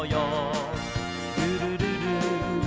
「ルルルル」